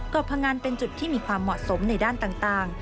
เกาะพงันเป็นจุดที่มีความเหมาะสมในด้านต่าง